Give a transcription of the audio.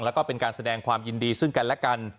แล้วก็เป็นการแสดงความยินดีซึ่งกันและกัน